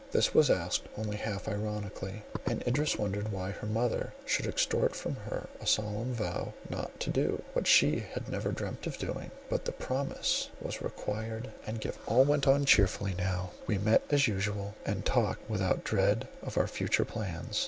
This was asked only half ironically; and Idris wondered why her mother should extort from her a solemn vow not to do, what she had never dreamed of doing—but the promise was required and given. All went on cheerfully now; we met as usual, and talked without dread of our future plans.